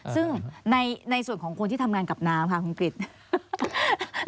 ซึ่งในส่วนของคนที่ทำงานกับน้ำค่ะคุณกริจ